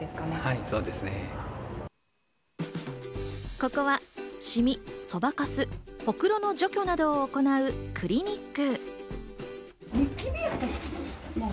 ここはシミ、そばかす、ほくろの除去などを行うクリニック。